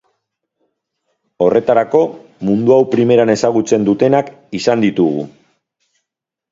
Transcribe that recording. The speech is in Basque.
Horretarako mundu hau primeran ezagutzen dutenak izan ditugu.